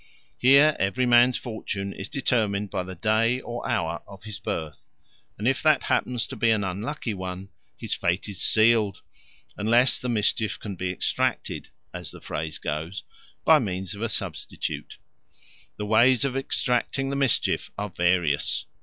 Here every man's fortune is determined by the day or hour of his birth, and if that happens to be an unlucky one his fate is sealed, unless the mischief can be extracted, as the phrase goes, by means of a substitute. The ways of extracting the mischief are various.